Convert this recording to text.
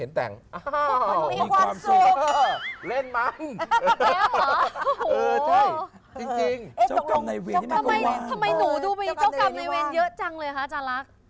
ทำไมหนูดูเป็นเจ้าคำไดเวรเยอะจังเลยฮะจารักษ์